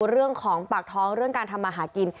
เรื่องของปากท้องเรื่องการทำมาหากิน